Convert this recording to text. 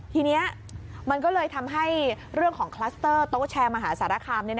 ทีนี้มันก็เลยทำให้เรื่องของคลัสเตอร์โต๊ะแชร์มหาสารคาม